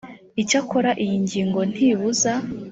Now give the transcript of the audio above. icyakora iyi ngingo ntibuza